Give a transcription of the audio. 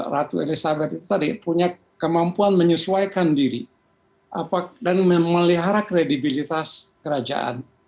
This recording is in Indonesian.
ratu elizabeth itu tadi punya kemampuan menyesuaikan diri dan memelihara kredibilitas kerajaan